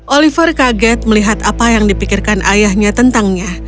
oliver kaget melihat apa yang dipikirkan ayahnya tentangnya